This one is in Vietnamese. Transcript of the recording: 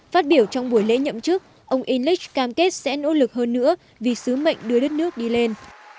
phát biểu trong buổi lễ nhậm chức ông inlech cam kết sẽ nỗ lực hơn nữa vì sứ mệnh đưa đất nước đi lên